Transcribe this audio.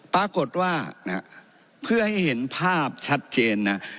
ปรากฏว่าเพื่อให้เห็นภาพชัดเจนนะ